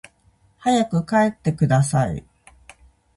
早く帰ってください